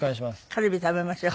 カルビ食べます。